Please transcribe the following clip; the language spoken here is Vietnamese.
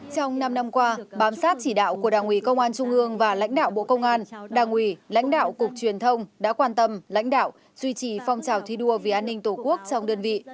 trong năm năm qua bám sát chỉ đạo của đảng ủy công an trung ương và lãnh đạo bộ công an đảng ủy lãnh đạo cục truyền thông đã quan tâm lãnh đạo duy trì phong trào thi đua vì an ninh tổ quốc trong đơn vị